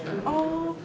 ああ